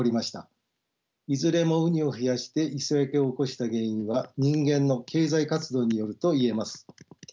いずれもウニを増やして磯焼けを起こした原因は人間の経済活動によると言えます。